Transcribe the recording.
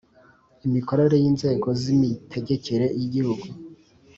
imikorere y Inzego z Imitegekere y Igihugu